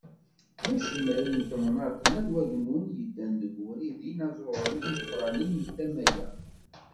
D acennay n temnaḍt n At Wagennun, yeddan deg ubrid n yinaẓuren imeqranen n tama-a.